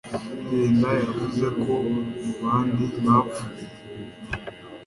Genda yavuze ko mu bandi bapfuye